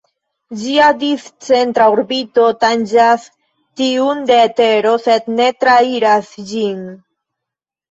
Ĝia discentra orbito tanĝas tiun de Tero sed ne trairas ĝin.